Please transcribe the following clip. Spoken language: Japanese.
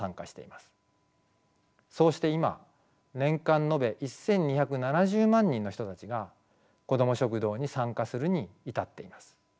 そうして今年間延べ１，２７０万人の人たちがこども食堂に参加するに至っています。